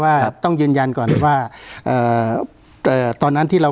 การแสดงความคิดเห็น